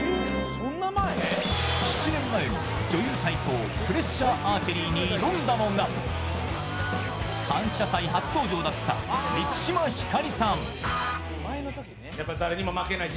７年前の女優対抗プレッシャーアーチェリーに挑んだのが「感謝祭」初登場だった満島ひかりさん。